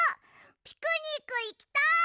ピクニックいきたい！